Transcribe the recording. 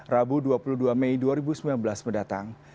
rabu dua puluh dua mei dua ribu sembilan belas mendatang